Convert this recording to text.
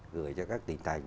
gửi cho các tỉnh thành